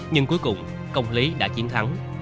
nhưng cuối cùng công lý đã chiến thắng